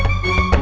benar pak ustadz